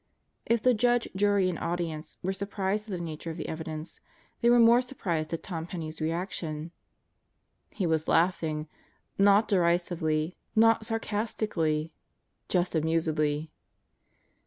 If the judge, jury, and audience were surprised at the nature of the evidence, they were more surprised at Tom Penney's reaction. He was laughing. Not derisively. Not sarcastically. Just amusedly.